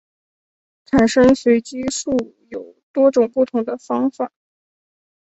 产生随机数有多种不同的方法。